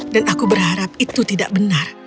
dan aku berharap itu tidak benar